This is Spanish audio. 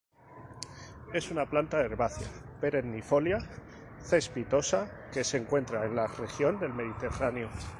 Es una planta herbácea perennifolia cespitosa, que se encuentra en la región del Mediterráneo.